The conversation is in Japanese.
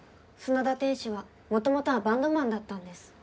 砂田店主はもともとはバンドマンだったんです。